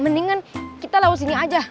mendingan kita laut sini aja